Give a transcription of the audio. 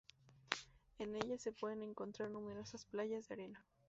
En ella se pueden encontrar numerosas playas de arena.